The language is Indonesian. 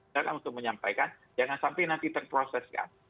jangan sampai nanti terproseskan